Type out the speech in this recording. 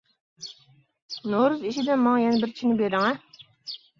نورۇز ئېشىدىن ماڭا يەنە بىر چىنە بېرىڭە!